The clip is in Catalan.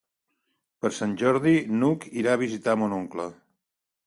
Per Sant Jordi n'Hug irà a visitar mon oncle.